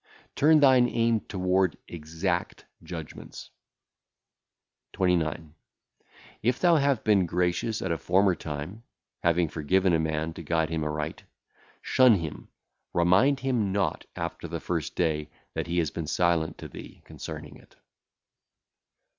Turn thine aim toward exact judgments. 29. If thou have been gracious at a former time, having forgiven a man to guide him aright, shun him, remind him not after the first day that he hath been silent to thee [concerning it]. 30.